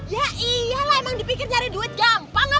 ya iyalah emang dipikir nyari duit gampang lah